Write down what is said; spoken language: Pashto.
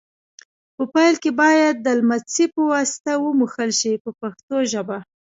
په پیل کې باید د لمڅي په واسطه ومږل شي په پښتو ژبه.